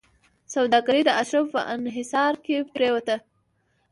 سوداګري د اشرافو په انحصار کې پرېوته.